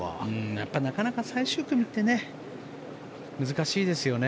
なかなか最終組って難しいですよね。